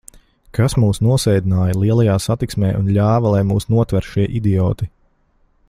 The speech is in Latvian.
Kas mūs nosēdināja lielajā satiksmē un ļāva, lai mūs notver šie idioti?